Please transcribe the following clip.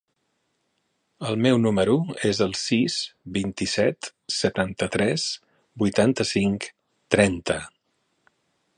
El meu número es el sis, vint-i-set, setanta-tres, vuitanta-cinc, trenta.